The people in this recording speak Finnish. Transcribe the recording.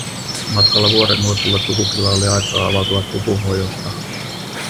Matkalla vuoren huipulle Tukukilla oli aikaa avautua Tupuhojosta.